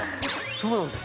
そうなんですよ。